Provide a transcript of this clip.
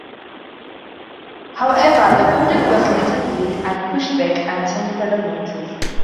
However, the project was later delayed and pushed back until further notice.